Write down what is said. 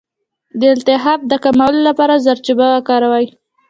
د التهاب د کمولو لپاره زردچوبه وکاروئ